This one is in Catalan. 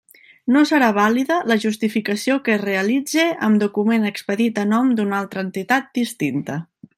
No serà vàlida la justificació que es realitze amb document expedit a nom d'una altra entitat distinta.